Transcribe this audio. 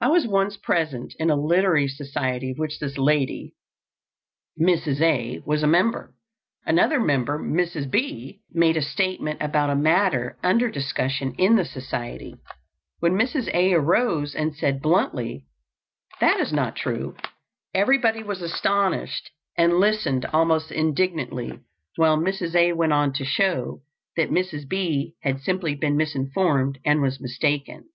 I was once present in a literary society of which this lady, Mrs. A., was a member. Another member, Mrs. B., made a statement about a matter under discussion in the society, when Mrs. A. arose and said, bluntly: "That is not true." Everybody was astonished, and listened almost indignantly while Mrs. A. went on to show that Mrs. B. had simply been misinformed and was mistaken.